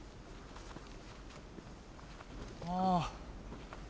ああ。